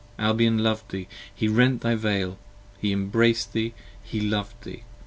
Albion lov'd thee: he rent thy Veil: he embrac'd thee: he lov'd thee!